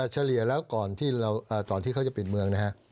เฉลี่ยแล้วก่อนที่เขาจะปิดเมืองนะฮะ